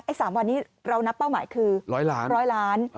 ไอ้๓วันนี้เรานับเป้าหมายคือ๑๐๐ล้าน